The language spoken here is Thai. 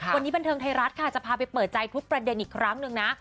วันนี้พันธ์ท๑๙๗๕จะพาไปเปิดใจทุกประเด็นอีกครั้งนึงนะ